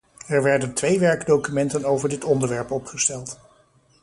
Er werden twee werkdocumenten over dit onderwerp opgesteld.